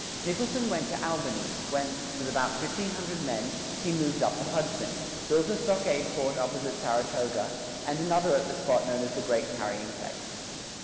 Nicholson went to Albany, whence, with about fifteen hundred men, he moved up the Hudson, built a stockade fort opposite Saratoga, and another at the spot known as the Great Carrying Place.